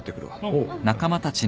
おう。